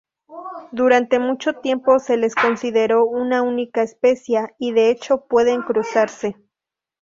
Durante mucho tiempo se les consideró una única especia,y de hecho pueden cruzarse.